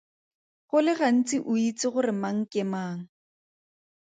Go le gantsi o itse gore mang ke mang.